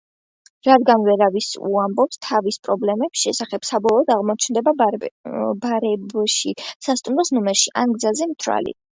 რადგან ვერავის უამბობს თავისი პრობლემების შესახებ, საბოლოოდ აღმოჩნდება ბარებში, სასტუმროს ნომრებში, ან გზაზე, მთვრალი.